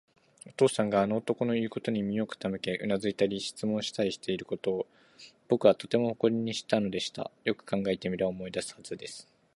お父さんがあの男のいうことに耳を傾け、うなずいたり、質問したりしていることを、ぼくはとても誇りにしたのでした。よく考えてみれば、思い出すはずです。